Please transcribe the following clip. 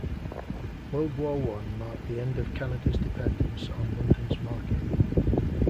World War One marked the end of Canada's dependence on London's market.